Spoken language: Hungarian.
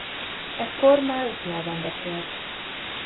Ekkor már öt nyelven beszélt.